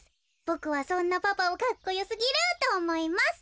ボクはそんなパパをかっこよすぎるとおもいます」。